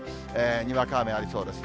にわか雨ありそうです。